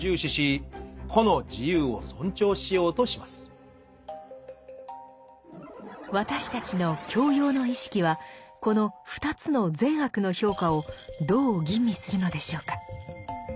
一方で私たちの「教養」の意識はこの２つの善悪の評価をどう吟味するのでしょうか？